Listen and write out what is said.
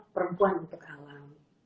perempuan untuk alam